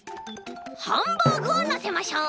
ハンバーグをのせましょう！